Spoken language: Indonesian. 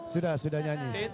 sudah sudah nyanyi